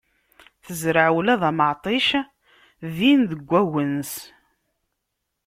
Tezreɛ ula d ameɛṭic din deg agnes.